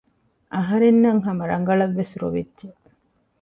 އަހަރެންނަށް ހަމަ ރަގަޅަށްވެސް ރޮވިއްޖެ